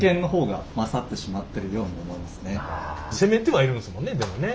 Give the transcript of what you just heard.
攻めてはいるんですもんねでもね。